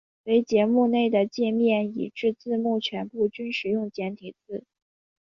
唯节目内的介面以至字幕全部均使用简体字。